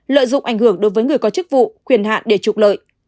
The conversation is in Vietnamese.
lợi dụng ảnh hưởng đối với người có chức vụ quyền hạn để trục lợi